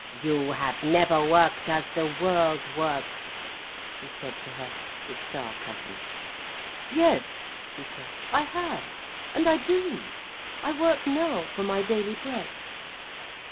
"You have never worked as the world works," he said to her, with sarcasm. "Yes," she said. "I have. And I do—I work now for my daily bread."